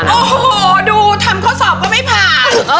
โอ้โหดูทำข้อสอบก็ไม่ผ่าน